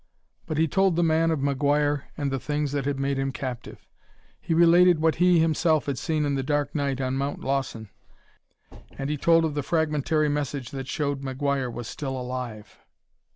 But he told the man of McGuire and the things that had made him captive; he related what he, himself, had seen in the dark night on Mount Lawson, and he told of the fragmentary message that showed McGuire was still alive.